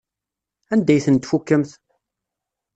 Anda ay tent-tfukemt?